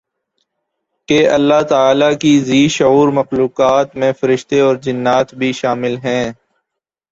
کہ اللہ تعالیٰ کی ذی شعور مخلوقات میں فرشتے اورجنات بھی شامل ہیں